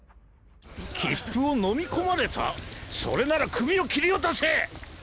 切符をのみ込まれた⁉それなら首を切り落とせ！